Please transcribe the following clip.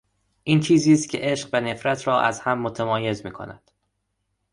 این چیزی است که عشق و نفرت را از هم متمایز میکند.